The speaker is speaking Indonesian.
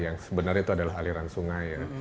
yang sebenarnya itu adalah aliran sungai ya